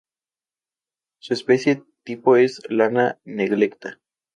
Su especie tipo es "Lana neglecta".